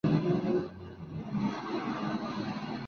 Nació en la isla de Príncipe y se crio en Portugal.